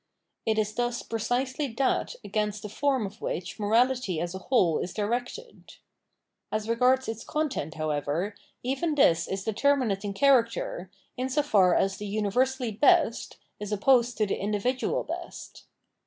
It is thus precisely that against the form of which morahty as a whole is directed. As regards its content, however, even this is determinate in character, in so far as the " universally best " is opposed to the " individual best.